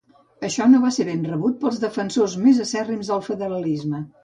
Això no va ser ben rebut pels defensors més acèrrims del federalisme.